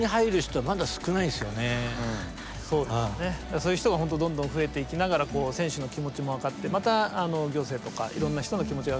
そういう人が本当どんどん増えていきながら選手の気持ちも分かってまた行政とかいろんな人の気持ちが分かる。